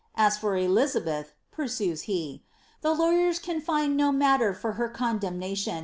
As for Eliza beth," pursues he, ^ the lawyers can find no matter for her condemna tion.